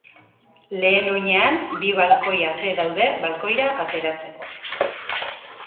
Lehen oinean, bi balkoi-ate daude balkoira ateratzeko.